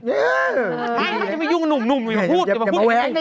ไม่อย่ามายุ่งหนุ่มอย่ามาพูด